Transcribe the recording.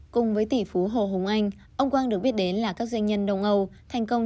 cùng với tỷ phú hồ hùng anh ông quang được biết đến là các doanh nhân đông âu thành công